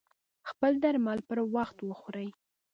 خپل درمل پر وخت وخوری